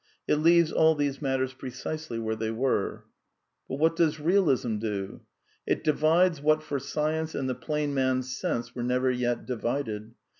It leaves all these matters precisely where they were. But what does Bealism do ? It divides what for science and the plain man's sense were never yet divided.